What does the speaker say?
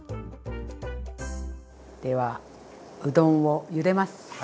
ではうどんをゆでます。